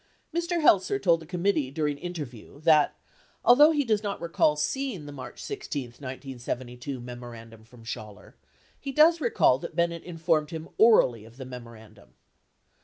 Mr. Heltzer told the committee during interview that although he does not recall seeing the March 16, 1972 memorandum from Schaller, he does recall that Bennett informed him orally of the memorandum.